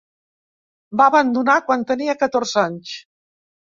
Va abandonar quan tenia catorze anys.